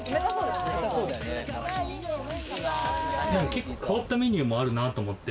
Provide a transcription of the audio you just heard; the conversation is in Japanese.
結構変わったメニューもあるなって思って。